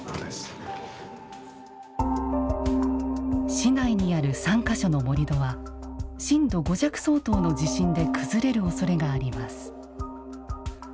市内にある３か所の盛土は震度５弱相当の地震で崩れるおそれがあります。